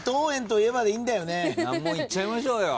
難問いっちゃいましょうよ。